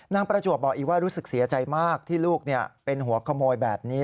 ประจวบบอกอีกว่ารู้สึกเสียใจมากที่ลูกเป็นหัวขโมยแบบนี้